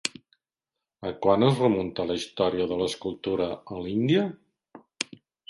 A quan es remunta la història de l'escultura a l'Índia?